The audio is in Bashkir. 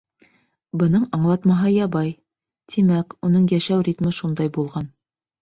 Бының аңлатмаһы ябай: тимәк, уның йәшәү ритмы шундай булған.